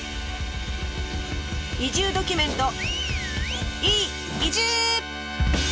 移住ドキュメント